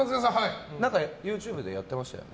ＹｏｕＴｕｂｅでやってましたよね。